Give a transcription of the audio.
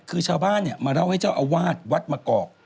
คือชาวบ้านมาเล่าให้เจ้าอาวาสวัดมะกอก